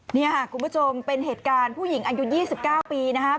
เนี่ยคุณผู้ชมเป็นเหตุการณ์ผู้หญิงอายุยี่สิบเก้าปีนะฮะ